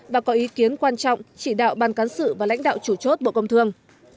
và có ý kiến quan trọng chỉ đạo ban cán sự và lãnh đạo chủ chốt bộ công thương